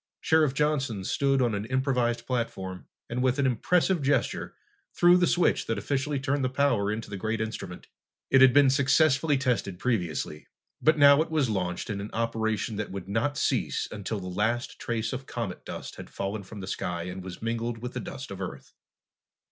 Sheriff Johnson stood on an improvised platform and with an impressive gesture threw the switch that officially turned the power into the great instrument. It had been successfully tested previously, but now it was launched in an operation that would not cease until the last trace of comet dust had fallen from the sky and was mingled with the dust of the Earth.